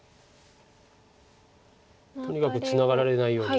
とにかくツナがられないように。